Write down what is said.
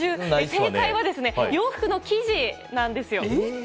正解は洋服の生地なんですよ。